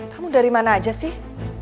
kamu dari mana aja sih